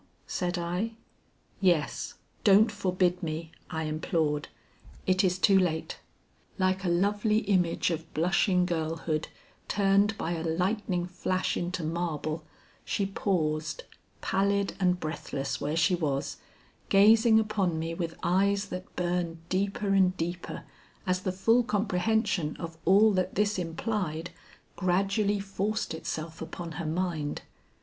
said I. "Yes, don't forbid me," I implored; "it is too late." Like a lovely image of blushing girlhood turned by a lightning flash into marble, she paused, pallid and breathless where she was, gazing upon me with eyes that burned deeper and deeper as the full comprehension of all that this implied gradually forced itself upon her mind.